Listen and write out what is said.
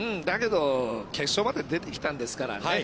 だけど、決勝まで出てきたんですからね。